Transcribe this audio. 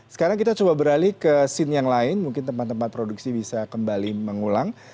sekarang kita coba beralih ke scene yang lain mungkin tempat tempat produksi bisa kembali mengulang